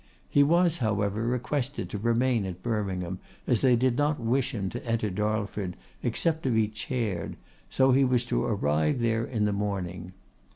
He was, however, requested to remain at Birmingham, as they did not wish him to enter Darlford, except to be chaired, so he was to arrive there in the morning.